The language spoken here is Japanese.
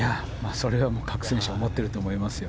それは各選手思ってると思います。